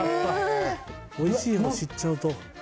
おいしいの知っちゃうと。